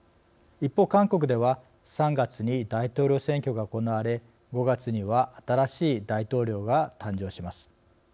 一方韓国では３月に大統領選挙が行われ５月には新しい大統領が誕生します。